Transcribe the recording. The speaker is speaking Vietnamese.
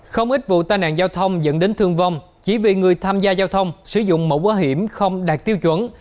không ít vụ tai nạn giao thông dẫn đến thương vong chỉ vì người tham gia giao thông sử dụng mũ bảo hiểm không đạt tiêu chuẩn